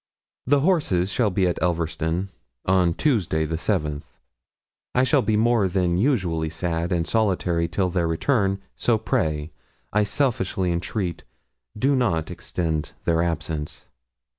The horses shall be at Elverston on Tuesday, the 7th. I shall be more than usually sad and solitary till their return; so pray, I selfishly entreat, do not extend their absence.